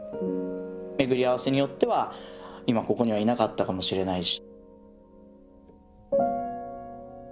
巡り合わせによっては今ここにはいなかったかもしれないし。